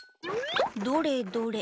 どれどれ？